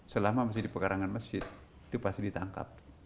selama masih di pekarangan masjid itu pasti ditangkap